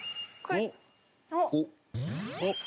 おっ！